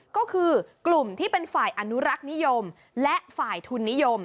ก็คือกลุ่มที่เป็นฝ่ายอนุรักษ์นิยมและฝ่ายทุนนิยม